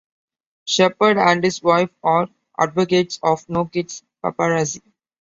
Shepard and his wife are advocates of no-kids paparazzi.